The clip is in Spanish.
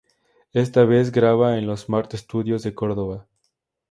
Esta vez graba en los Mart Estudios de Córdoba.